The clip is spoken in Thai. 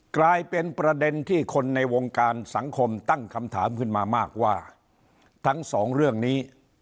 กลายเป็นประเด็นที่คนในวงการสังคมตั้งคำถามขึ้นมามากว่าทั้งสองเรื่องนี้